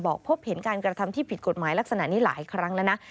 พบเห็นการกระทำที่ผิดกฎหมายลักษณะนี้หลายครั้งแล้วนะ